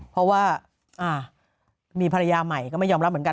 เพราะว่ามีภรรยาใหม่ก็ไม่ยอมรับเหมือนกัน